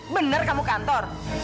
bener kamu kantor